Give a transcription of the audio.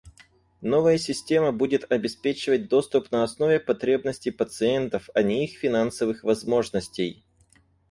Новая система будет обеспечивать доступ на основе потребностей пациентов, а не их финансовых возможностей.